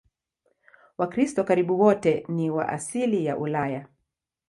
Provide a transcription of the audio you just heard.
Wakristo karibu wote ni wa asili ya Ulaya.